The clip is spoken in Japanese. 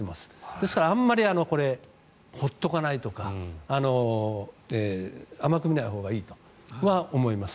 ですからあまり放っておかないとか甘く見ないほうがいいと思います。